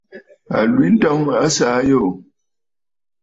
Àlwintɔŋ a saà àyoò.